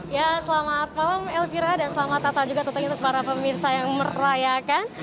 ya selamat malam elvira dan selamat natal juga tentunya untuk para pemirsa yang merayakan